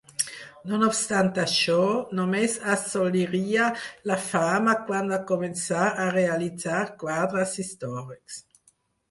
No obstant això, només assoliria la fama quan va començar a realitzar quadres històrics.